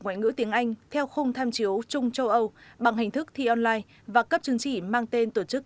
ngoại ngữ tiếng anh theo khung tham chiếu trung châu âu bằng hình thức thi online và cấp chứng chỉ mang tên tổ chức